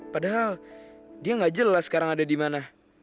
padahal dia gak jelas sekarang ada dimana